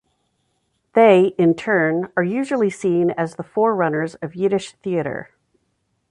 They, in turn, are usually seen as the forerunners of Yiddish theater.